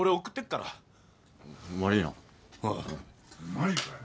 マジかよ。